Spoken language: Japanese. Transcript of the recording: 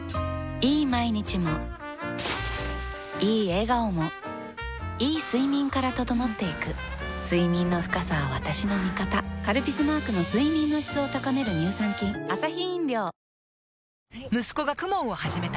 いい毎日もいい笑顔もいい睡眠から整っていく睡眠の深さは私の味方「カルピス」マークの睡眠の質を高める乳酸菌息子が ＫＵＭＯＮ を始めた